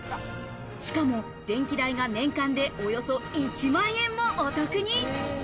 しかも電気代が年間でおよそ１万円もお得に。